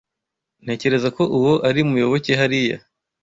Ntekereza ko uwo ari Muyoboke hariya.